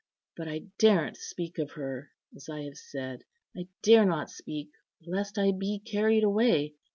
But I daren't speak of her, as I have said; I dare not speak, lest I be carried away.